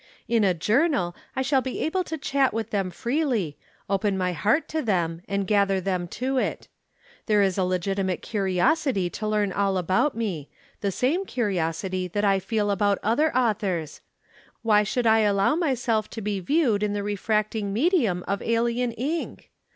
In a journal I shall be able to chat with them freely, open my heart to them and gather them to it. There is a legitimate curiosity to learn all about me the same curiosity that I feel about other authors. Why should I allow myself to be viewed in the refracting medium of alien ink?